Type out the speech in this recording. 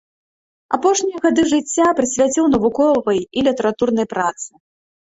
Апошнія гады жыцця прысвяціў навуковай і літаратурнай працы.